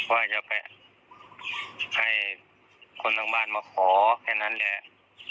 ว่าจะไปให้คนทางบ้านมาขอแค่นั้นแหละ